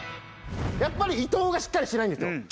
やっぱり伊藤がしっかりしてないんですよ。